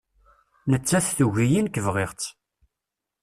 Nettat tugi-iyi nek bɣiɣ-tt